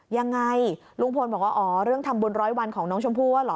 ยังไงลุงพลบอกว่าอ๋อเรื่องทำบุญร้อยวันของน้องชมพู่ว่าเหรอ